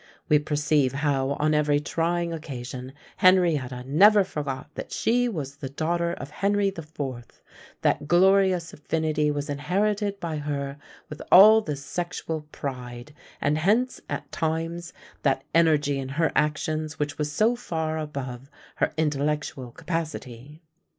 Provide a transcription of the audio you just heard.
We perceive how, on every trying occasion, Henrietta never forgot that she was the daughter of Henry the Fourth; that glorious affinity was inherited by her with all the sexual pride; and hence, at times, that energy in her actions which was so far above her intellectual capacity.